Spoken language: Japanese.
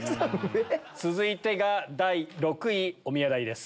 続いてが第６位おみや代です。